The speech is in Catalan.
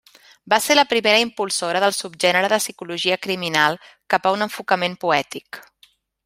Va ser la primera impulsora del subgènere de psicologia criminal cap a un enfocament poètic.